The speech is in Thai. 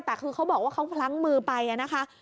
แต่คือเขาบอกว่าเขาพลั้งมือไปนะคะ